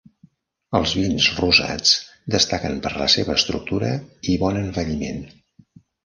Els vins rosats destaquen per la seva estructura i bon envelliment.